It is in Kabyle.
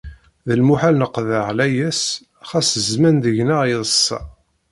D lmuḥal neqḍeɛ layas xas zman deg-neɣ yeḍsa.